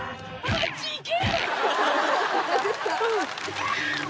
あっち行け！